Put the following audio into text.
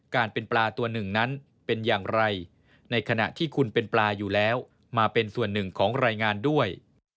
การเป็นปลาตัวหนึ่งนั้นเป็นอย่างไรในขณะที่คุณเป็นปลาอยู่แล้วมาเป็นส่วนหนึ่งของรายงานด้วย